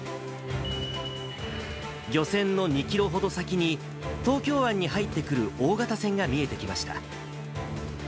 漁船の２キロほど先に、東京湾に入ってくる大型船が見えてきました。